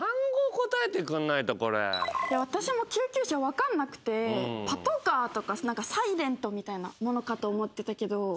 私も救急車分かんなくてパトカーとかサイレントみたいなものかと思ってたけど。